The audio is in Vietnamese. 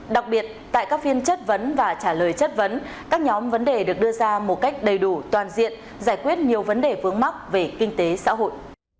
đặc biệt tại các phiên chất vấn và trả lời chất vấn các nhóm vấn đề được đưa ra một cách đầy đủ toàn diện giải quyết nhiều vấn đề vướng mắc về kinh tế xã hội